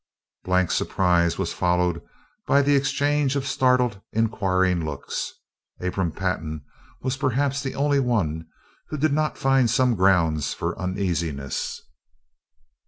Blank surprise was followed by the exchange of startled, inquiring looks. Abram Pantin was perhaps the only one who did not find some grounds for uneasiness.